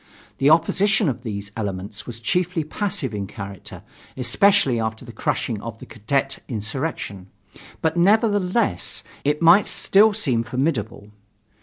The opposition of these elements was chiefly passive in character, especially after the crushing of the cadet insurrection; but, nevertheless, it might still seem formidable.